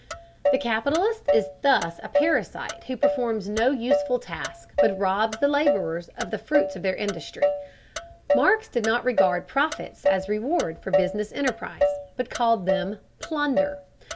The capitalist is thus a parasite who performs no useful task, but robs the laborers of the fruits of their industry. Marx did not regard profits as reward for business enterprise, but called them "plunder."